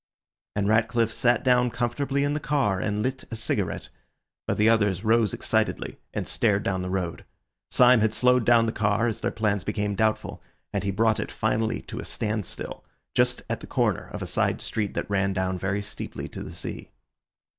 And Ratcliffe sat down comfortably in the car and lit a cigarette, but the others rose excitedly and stared down the road. Syme had slowed down the car as their plans became doubtful, and he brought it finally to a standstill just at the corner of a side street that ran down very steeply to the sea.